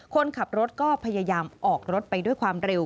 คนขับรถก็พยายามออกรถไปด้วยความเร็ว